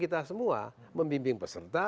tugas mereka justru membimbing kita semua